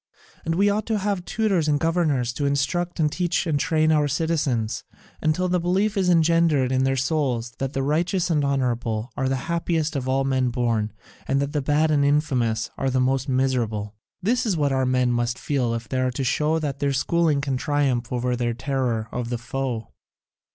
And then we ought to have tutors and governors to instruct and teach and train our citizens until the belief is engendered in their souls that the righteous and the honourable are the happiest of all men born, and the bad and the infamous the most miserable. This is what our men must feel if they are to show that their schooling can triumph over their terror of the foe.